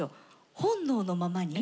本能のままに。